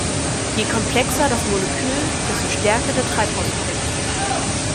Je komplexer das Molekül, desto stärker der Treibhauseffekt.